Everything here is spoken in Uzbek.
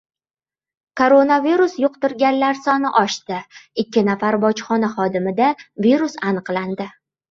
Koronavirus yuqtirganlar soni oshdi. Ikki nafar bojxona xodimida virus aniqlandi